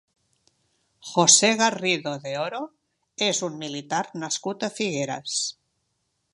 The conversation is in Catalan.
José Garrido de Oro és un militar nascut a Figueres.